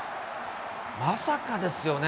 まさかですよね。